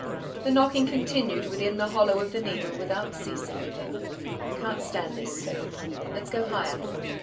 —" The knocking continued within the hollow of the Needle without ceasing. "I can't stand this!" said Lupin. "Let's go higher."